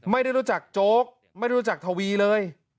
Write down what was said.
ไม่ได้รู้จักโจ๊กไม่ได้รู้จักทวีเลย